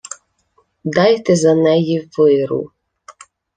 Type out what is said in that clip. — Дайте за неї виру...